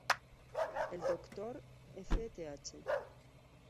El Dr. F. Th.